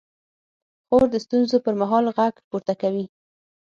خور د ستونزو پر مهال غږ پورته کوي.